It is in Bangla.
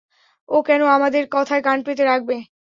ও কেন আমাদের কথায় কান পেতে রাখবে?